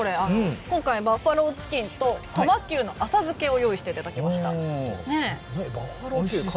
今回、バッファローチキンとトマキュウの浅漬けを用意していただきました。